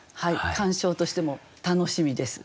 鑑賞としても楽しみです